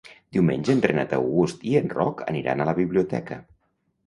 Diumenge en Renat August i en Roc aniran a la biblioteca.